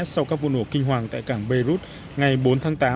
sau các vụ nổ kinh hoàng tại cảng beirut ngày bốn tháng tám